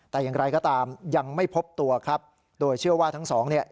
แต่อย่างไรก็ตามยังไม่พบตัวครับโดยเชื่อว่าทั้งสองเนี่ย